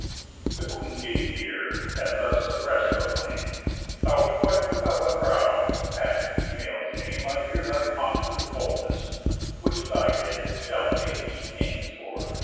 The Queen gave ear, and thus suppress'd the flame: "Thou quite without a brow, past female shame, I hear thy monstrous boldness, which thy head Shall pay me pains for.